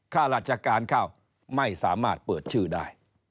ข้าราชการเข้าไม่สามารถเปิดชื่อได้